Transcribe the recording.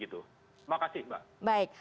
terima kasih mbak